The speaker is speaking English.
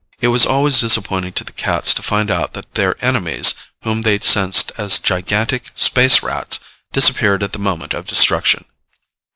It was always disappointing to the cats to find out that their enemies whom they sensed as gigantic space Rats disappeared at the moment of destruction.